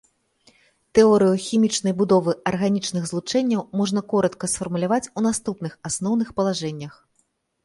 Тэорыю хімічнай будовы арганічных злучэнняў можна коратка сфармуляваць у наступных асноўных палажэннях.